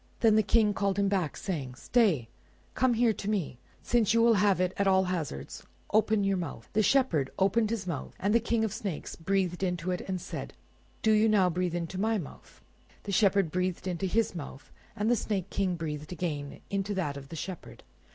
Then the King called him back, saying— "Stay! come here to me, since you will have it at all hazards. Open your mouth." The Shepherd opened his mouth, and the King of the snakes breathed into it, and said— "Do you now breathe into my mouth." The Shepherd breathed into his mouth, and the Snake King breathed again into that of the Shepherd.